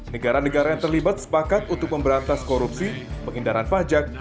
negara negara yang terlibat sepakat untuk memberantas korupsi pengindaran pajak